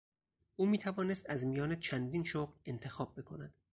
او میتوانست از میان چندین شغل انتخاب بکند.